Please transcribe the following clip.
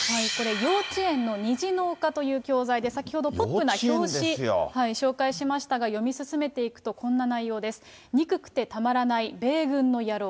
教科書アプリ、憎むべき相手の教これ、幼稚園の虹の丘という教材で、先ほどポップな表紙、紹介しましたが、読み進めていくと、こんな内容です。